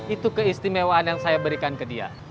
itu keistimewaan yang saya berikan ke dia